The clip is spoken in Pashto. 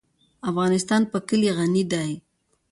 افغانستان په کلي غني دی.